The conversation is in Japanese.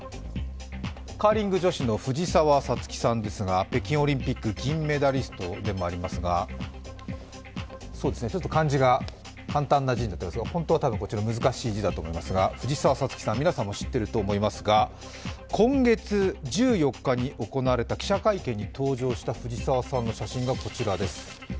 カーリング女子の藤澤五月さんですが北京オリンピック銀メダリストでもありますが、ちょっと漢字が簡単な字になっていますが本当は難しい字だと思いますが藤澤五月さん、皆さんも知っていると思いますが今月１４日に行われた記者会見に登場した藤澤さんの写真がこちらです。